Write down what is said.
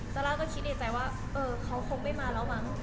ซาร่าก็คิดในใจว่าเออเขาคงไม่มาแล้วมั้ง